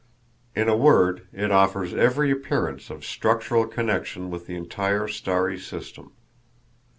In a word, it offers every appearance of structural connection with the entire starry system.